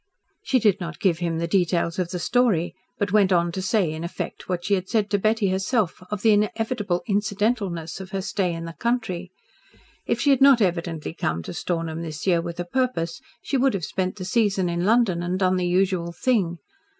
She did not give him the details of the story, but went on to say in effect what she had said to Betty herself of the inevitable incidentalness of her stay in the country. If she had not evidently come to Stornham this year with a purpose, she would have spent the season in London and done the usual thing.